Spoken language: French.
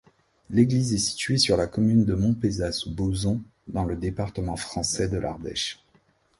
L'église est située sur la commune de Montpezat-sous-Bauzon, dans le département français de l'Ardèche.